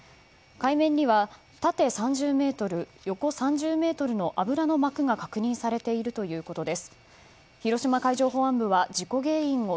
海面には縦３０ｍ横３０ｍの油の膜が確認されているということです。